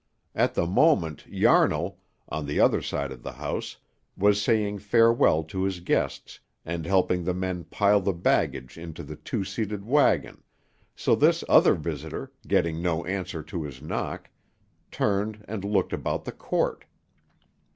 At the moment, Yarnall, on the other side of the house, was saying farewell to his guests, and helping the men pile the baggage into the two seated wagon, so this other visitor, getting no answer to his knock, turned and looked about the court.